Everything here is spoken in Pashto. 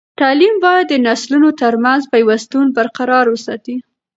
تعلیم باید د نسلونو ترمنځ پیوستون برقرار وساتي.